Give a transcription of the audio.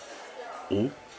おっ？